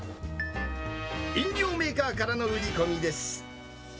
飲料メーカーからの売り込みです。